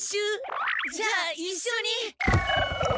じゃあいっしょに。